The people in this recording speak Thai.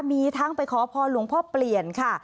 มีทั้งไปขอพรหลวงพ่อเปลี่ยนค่ะ